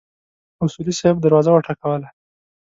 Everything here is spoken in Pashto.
اصولي صیب دروازه وټکوله.